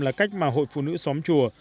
là cách mà hội phụ nữ xóm chùa